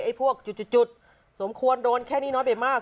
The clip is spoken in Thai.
พวกจุดสมควรโดนแค่นี้น้อยไปมาก